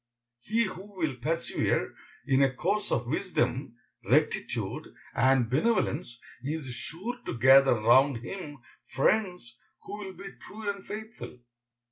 He who will persevere in a course of wisdom, rectitude, and benevolence, is sure to gather round him friends who will be true and faithful.